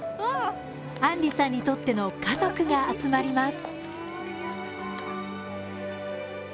安理さんにとっての家族が集まります。